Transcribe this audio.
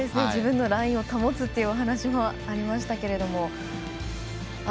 自分のラインを保つというお話もありましたけれども。